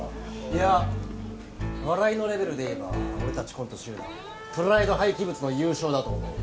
いや笑いのレベルで言えば俺たちコント集団プライド廃棄物の優勝だと思う。